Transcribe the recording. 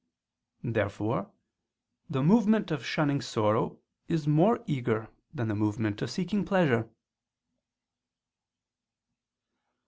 Therefore the movement of shunning sorrow is more eager than the movement of seeking pleasure.